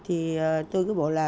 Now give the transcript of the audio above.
thì tôi cứ bảo là